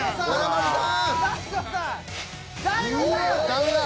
ダメだ。